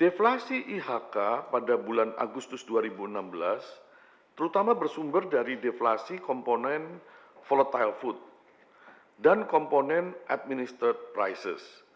deflasi ihk pada bulan agustus dua ribu enam belas terutama bersumber dari deflasi komponen volatile food dan komponen administer prices